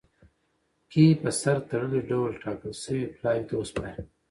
کي په سر تړلي ډول ټاکل سوي پلاوي ته وسپاري.